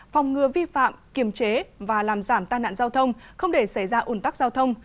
phòng ngừa vi phạm kiềm chế và làm giảm tai nạn giao thông không để xảy ra ủn tắc giao thông